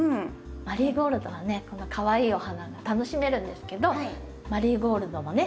マリーゴールドはねこのかわいいお花が楽しめるんですけどマリーゴールドもね